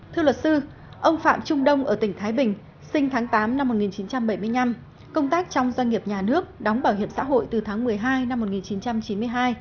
thưa luật sư ông phạm trung đông ở tỉnh thái bình sinh tháng tám năm một nghìn chín trăm bảy mươi năm công tác trong doanh nghiệp nhà nước đóng bảo hiểm xã hội từ tháng một mươi hai năm một nghìn chín trăm chín mươi hai